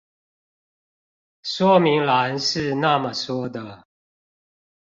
說明欄是那麼說的